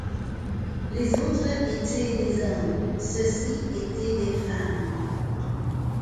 Les autres étaient des hommes ; ceux-ci étaient des femmes.